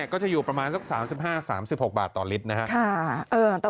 ก็จะอยู่ประมาณ๓๕๓๖บาทต่อลิตร